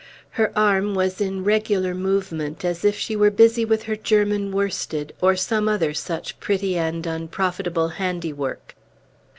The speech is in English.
Her arm was in regular movement, as if she were busy with her German worsted, or some other such pretty and unprofitable handiwork.